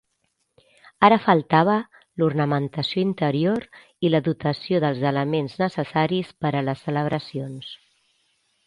Ara faltava l'ornamentació interior i la dotació dels elements necessaris per a les celebracions.